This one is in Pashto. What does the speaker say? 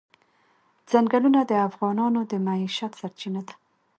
چنګلونه د افغانانو د معیشت سرچینه ده.